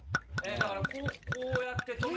だからこうやって。